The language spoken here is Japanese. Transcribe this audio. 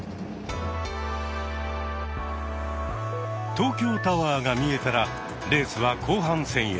東京タワーが見えたらレースは後半戦へ。